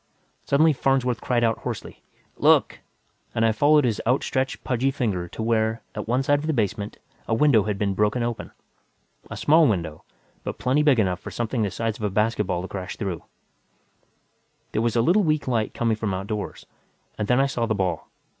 Suddenly Farnsworth cried out hoarsely, "Look!" and I followed his outstretched, pudgy finger to where, at one side of the basement, a window had been broken open a small window, but plenty big enough for something the size of a basketball to crash through it. There was a little weak light coming from outdoors. And then I saw the ball.